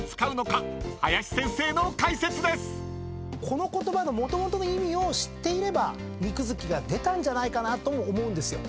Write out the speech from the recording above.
この言葉のもともとの意味を知っていればにくづきが出たんじゃないかなとも思うんですよ。